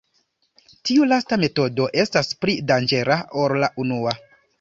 Tiu lasta metodo estas pli danĝera ol la unua.